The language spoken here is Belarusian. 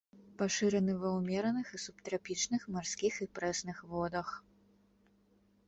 Пашыраны ва ўмераных і субтрапічных марскіх і прэсных водах.